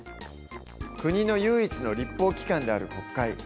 国の唯一の立法機関である国会。